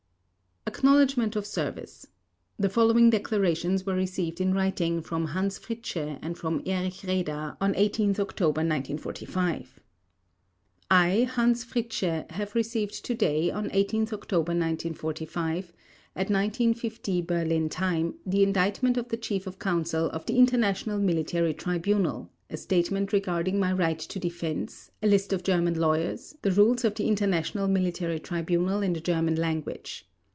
ACKNOWLEDGMENT OF SERVICE The following declarations were received in writing from Hans Fritzsche and from Erich Raeder on 18 October 1945: I, Hans Fritzsche, have received today, on 18 October 1945, at 1950 Berlin time, the Indictment of the Chief of Counsel of the International Military Tribunal, a statement regarding my right to defense, a list of German lawyers, the Rules of the International Military Tribunal in the German language.